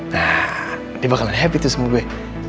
nah dia bakalan happy tuh sama gue